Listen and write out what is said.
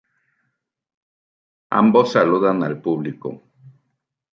Ambos saludan al público.